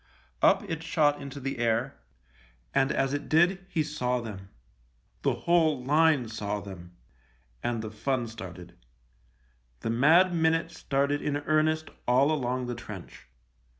Up it shot into the air, and as it did he saw them — the whole line saw them — and the fun started. The mad minute started in earnest all along the trench.